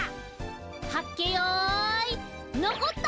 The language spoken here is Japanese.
はっけよいのこった！